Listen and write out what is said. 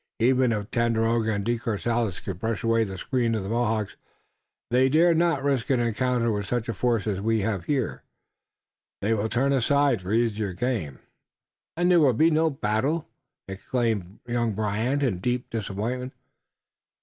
"Even if Tandakora and De Courcelles could brush away the screen of the Mohawks, they dare not risk an encounter with such a force as we have here. They will turn aside for easier game." "And there will be no battle!" exclaimed young Brant, in deep disappointment.